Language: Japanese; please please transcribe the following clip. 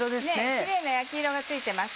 キレイな焼き色がついてます